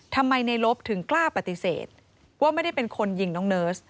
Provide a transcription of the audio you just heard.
ทำไมในลบถึงกล้าปฏิเสธว่าไม่ได้เป็นคนยิงน้องเนิร์ส